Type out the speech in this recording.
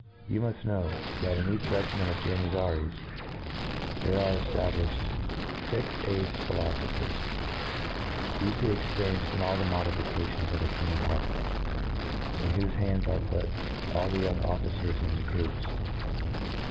You muft know, that in each regiment of Janizaries, there are e ftabliflied fix aged philofophers, deeply experien ced in all the mo(^ficatioi)s of the human heart, into whofe hands are put all the. young officers and recruits.